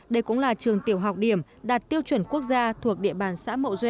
đây cũng là trường tiểu học điểm đạt tiêu chuẩn quốc gia thuộc địa bàn xã mậu duy